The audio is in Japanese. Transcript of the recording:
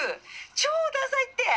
超ダサいって！